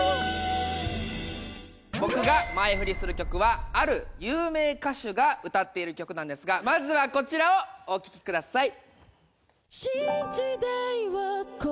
僕が前フリする曲はある有名歌手が歌っている曲なんですがまずはこちらをお聴きください。